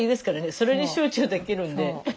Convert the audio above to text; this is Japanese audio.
それに集中できるんで。